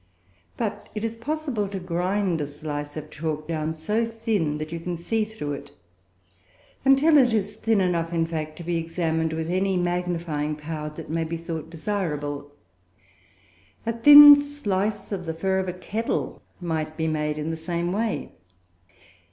But it is possible to grind a slice of chalk down so thin that you can see through it until it is thin enough, in fact, to be examined with any magnifying power that may be thought desirable. A thin slice of the fur of a kettle might be made in the same way.